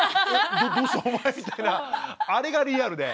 あれがリアルで。